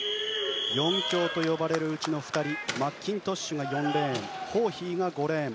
４強といわれるうちの２人マッキントッシュが４レーンホーヒーが４レーン。